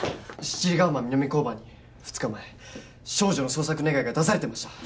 七里ヶ浜南交番に２日前少女の捜索願が出されてました